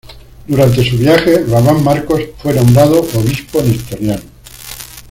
Durante su viaje, Rabban Markos fue nombrado obispo nestoriano.